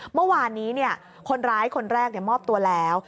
เมื่อวานนี้คนร้ายคนแรกมอบตัวแล้ว